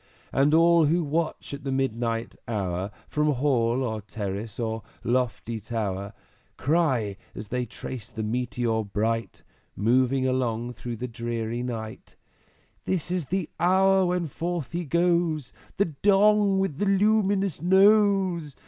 And all who watch at the midnight hour, From Hall or Terrace or lofty Tower, Cry, as they trace the Meteor bright, Moving along through the dreary night, "This is the hour when forth he goes, The Dong with a luminous Nose!